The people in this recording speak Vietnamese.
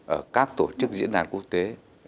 ở các tổ chức diễn đàn quốc tế